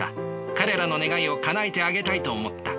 彼らの願いをかなえてあげたいと思った。